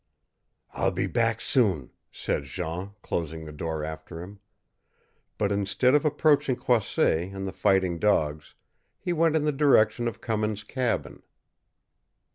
"I'll be back soon," said Jean, closing the door after him; but instead of approaching Croisset and the fighting dogs he went in the direction of Cummins' cabin.